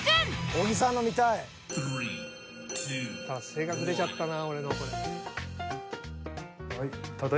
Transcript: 性格出ちゃったな俺の。